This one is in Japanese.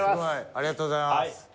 ありがとうございます。